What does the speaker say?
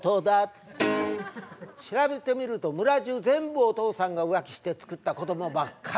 調べてみると村じゅう全部お父さんが浮気してつくった子供ばっかり。